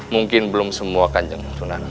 mungkin belum semua kan jangkauan